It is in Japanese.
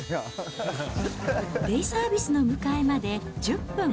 デイサービスの迎えまで１０分。